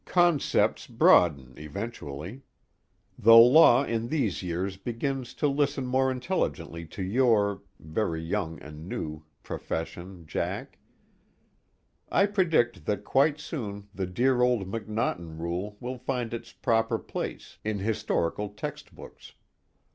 Concepts broaden, eventually. The law in these years begins to listen more intelligently to your (very young and new) profession, Jack; I predict that quite soon the dear old McNaughton Rule will find its proper place in historical textbooks.